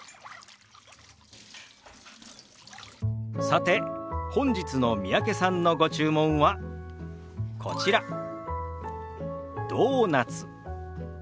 さて本日の三宅さんのご注文はこちら「ドーナツ」。